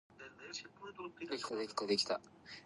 She attended Theodore Roosevelt High School.